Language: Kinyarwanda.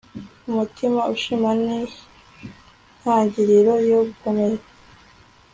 umutima ushima ni intangiriro yo gukomera